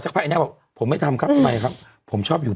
จริงถ้ามีกล้องวงจรปิด